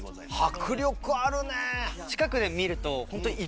迫力あるねぇ！